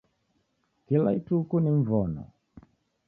Kila ituku ni mvono